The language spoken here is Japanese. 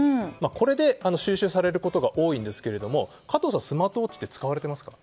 これで、収集されることが多いですが加藤さん、スマートウォッチって使われていますか？